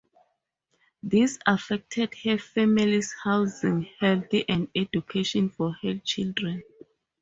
This affected her family's housing, health and education for her children.